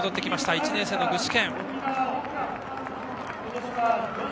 １年生の具志堅。